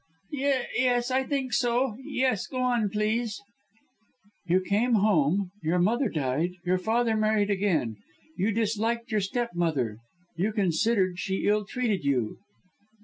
"Yes I think so. Yes, go on, please." "You came home. Your mother died. Your father married again. You disliked your stepmother you considered she ill treated you."